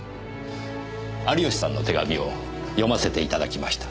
有吉さんの手紙を読ませていただきました。